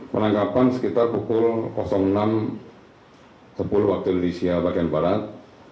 penangkapan sekitar pukul enam sepuluh waktu indonesia bagian barat